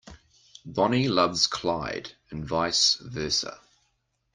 Bonnie loves Clyde and vice versa.